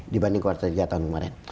dibanding kuartal tiga tahun kemarin